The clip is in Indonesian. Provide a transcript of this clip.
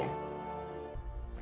ya sebagai penutup partai